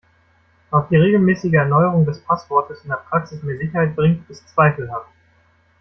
Ob die regelmäßige Erneuerung des Passwortes in der Praxis mehr Sicherheit bringt, ist zweifelhaft.